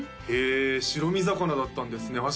へえ白身魚だったんですね